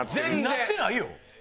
なってないよ。